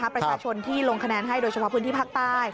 ประชาชนที่ลงคะแนนให้โดยเฉพาะพื้นที่ภาคใต้